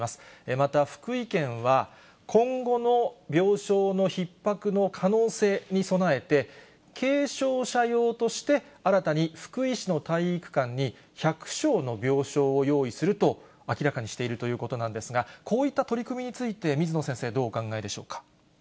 また、福井県は、今後の病床のひっ迫の可能性に備えて、軽症者用として新たに福井市の体育館に、１００床の病床を用意すると明らかにしているということなんですが、こういった取り組みについて、水野先生、どうお考えでしょうか。